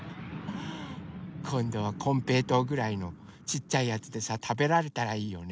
こんどはこんぺいとうぐらいのちっちゃいやつでさたべられたらいいよね。